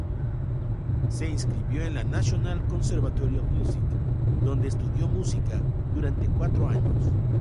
Se inscribió en la "National Conservatory of Music" donde estudió música durante cuatro años.